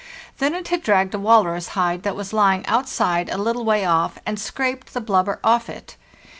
Then it had dragged a walrus hide that was lying outside a little way off and scraped the blubber off it.